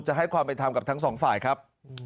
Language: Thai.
ให้ความเป็นธรรมกับทั้งสองฝ่ายครับ